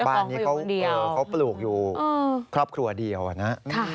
บ้านนี้เขาปลูกอยู่ครอบครัวเดียวนะ